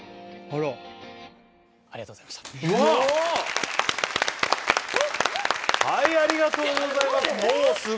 ありがとうございます。